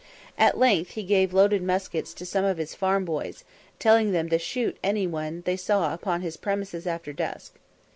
At length he gave loaded muskets to some of his farm boys, telling them to shoot any one they saw upon his premises after dusk.